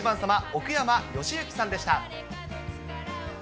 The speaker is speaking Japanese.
奥山由之さんでした。